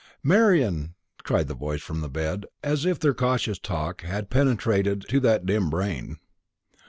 "Marian!" cried the voice from the bed, as if their cautious talk had penetrated to that dim brain.